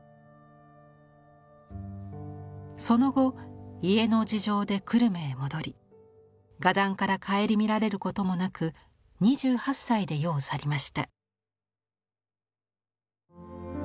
その後家の事情で久留米へ戻り画壇から顧みられることもなく２８歳で世を去りました。